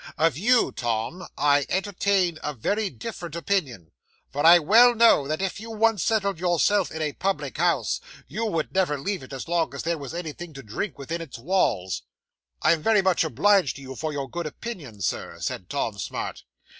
"Of you, Tom, I entertain a very different opinion; for I well know that if you once settled yourself in a public house, you would never leave it, as long as there was anything to drink within its walls." '"I am very much obliged to you for your good opinion, Sir," said Tom Smart.